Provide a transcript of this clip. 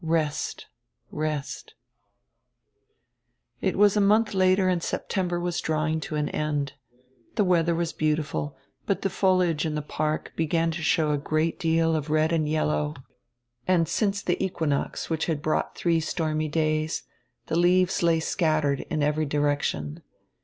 "Best, rest" It was a month later and September was drawing to an end. The weather was beautiful, but the foliage in the park began to show a great deal of red and yellow and since die equinox, which had brought diree stormy days, die leaves lay scattered in every direction.